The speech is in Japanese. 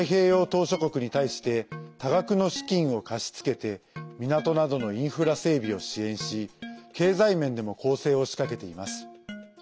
島しょ国に対して多額の資金を貸し付けて港などのインフラ整備を支援し経済面でも攻勢を仕掛けています。